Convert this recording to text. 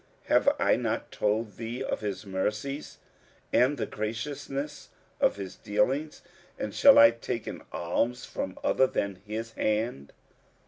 Have I not told thee of His mercies and the graciousness of His dealings and shall I take an alms from other than His hand?"